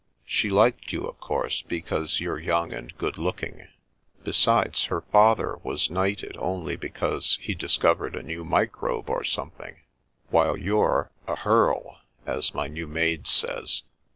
She liked you, of course, because you're young and good looking. Besides, her father was knighted only because he discovered a new microbe or something, while you're a ' hearl,' as my new maid says."